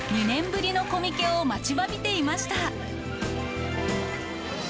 ２年ぶりのコミケを待ちわびていました。